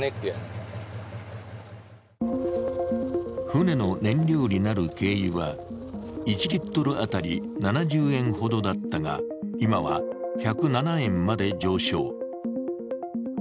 船の燃料による軽油は、１リットル当たり７０円ほどだったが今は１０７円まで上昇。